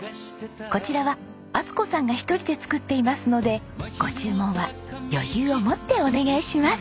こちらは充子さんが一人で作っていますのでご注文は余裕を持ってお願いします！